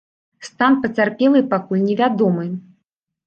Стан пацярпелай пакуль невядомы.